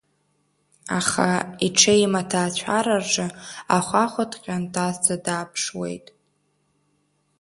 Аха иҽеим аҭаацәара рҿы ахәахәа дҟьантазӡа дааԥшуеит.